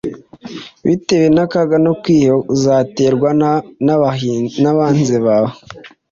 bitewe n'akaga no kwiheba uzaterwa n'abanzi bawe